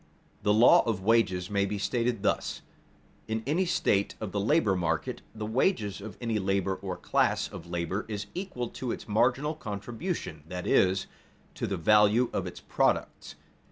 _The law of wages may be stated thus: in any state of the labor market the wages of any labor or class of labor is equal to its marginal contribution that is, to the value of its products.